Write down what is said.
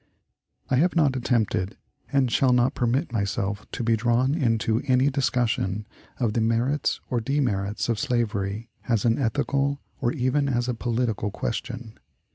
I have not attempted, and shall not permit myself to be drawn into any discussion of the merits or demerits of slavery as an ethical or even as a political question.